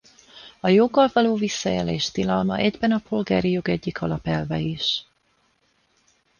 A joggal való visszaélés tilalma egyben a polgári jog egyik alapelve is.